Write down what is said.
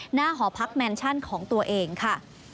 หอพักแมนชั่นของตัวเองค่ะ